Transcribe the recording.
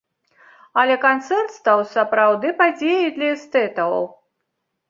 Але канцэрт стаў сапраўды падзеяй для эстэтаў.